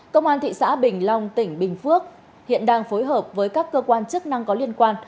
công an thị xã bình long tỉnh bình phước hiện đang phối hợp với các cơ quan chức năng có liên quan